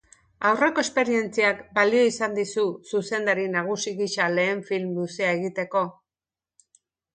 Balio izan dizu aurreko esperientziak zuzendari nagusi gisa lehen film luzea egiteko?